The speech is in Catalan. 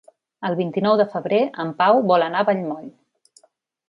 El vint-i-nou de febrer en Pau vol anar a Vallmoll.